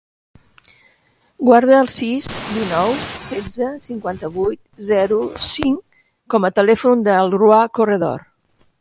Guarda el sis, dinou, setze, cinquanta-vuit, zero, cinc com a telèfon del Roi Corredor.